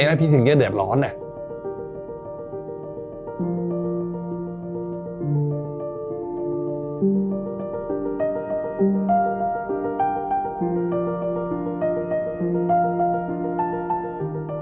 ให้พี่ถึงเนี่ยเดือดร้อนเนี่ย